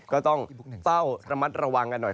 ก็ต้องเฝ้าระมัดระวังกันหน่อย